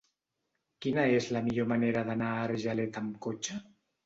Quina és la millor manera d'anar a Argeleta amb cotxe?